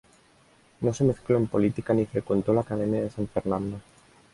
No se mezcló en política ni frecuentó la Academia de San Fernando.